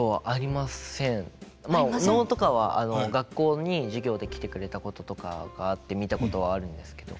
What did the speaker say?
まあ能とかは学校に授業で来てくれたこととかがあって見たことはあるんですけど。